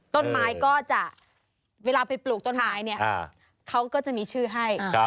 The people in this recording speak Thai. ต้นไม้ก็จะเวลาไปปลูกต้นไม้เนี่ยเขาก็จะมีชื่อให้